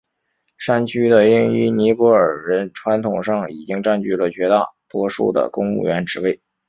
山区的印裔尼泊尔人传统上已经占据了绝大多数的公务员职位。